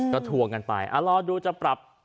ก็ทวงกันไปรอดูจะปรับ